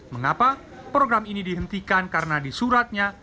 mengapa program ini dihentikan karena disuratkan